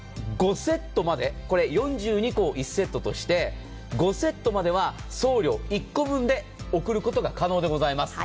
これ４２個を１セットとして５セットまでは送料１個分で送ることが可能です。